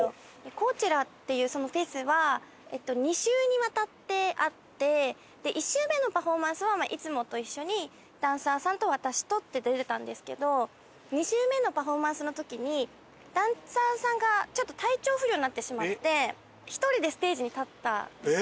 コーチェラっていうフェスは２週にわたってあって１週目のパフォーマンスはいつもと一緒にダンサーさんと私とって出てたんですけど２週目のパフォーマンスの時にダンサーさんがちょっと体調不良になってしまって１人でステージに立ったんですね。